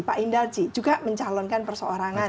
pak indarji juga mencalonkan perseorangan